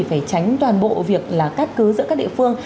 phải tránh toàn bộ việc cắt cứ giữa các địa phương